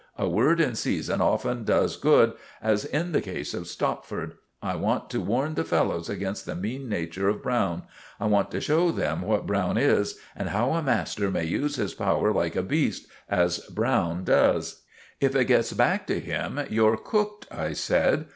A word in season often does good, as in the case of Stopford. I want to warn the fellows against the mean nature of Browne. I want to show them what Browne is and how a master may use his power like a beast, as Browne does." "If it gets back to him, you're cooked," I said.